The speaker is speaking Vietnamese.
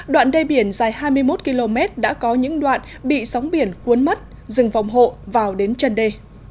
đoạn đê biển dài hai mươi một km đã có những đoạn bị sóng biển cuốn mất rừng phòng hộ vào đến chân đê